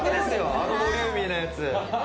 あのボリューミーなやつ。